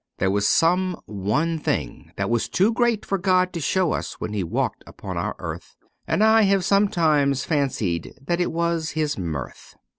There was some one thing that was too great for God to show us when He walked upon our earth, and I have sometimes fancied that it was His mirth.